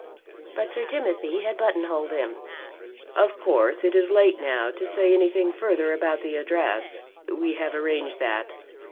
But Sir Timothy had buttonholed him. "Of course it is late now to say anything further about the address. We have arranged that.